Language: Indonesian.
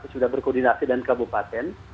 sudah berkoordinasi dengan kabupaten